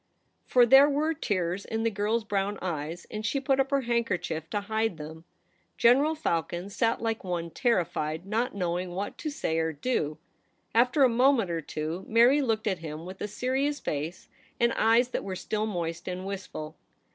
For there were tears in the girl's brown eyes, and she put up her handkerchief to hide them. General Falcon sat like one terrified, not knowing what to say or do. After a moment or two, Mary looked at him with a serious face and eyes that were still moist and wistful.